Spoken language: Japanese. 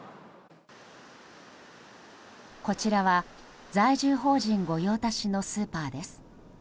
こちらは在住邦人御用達のスーパーです。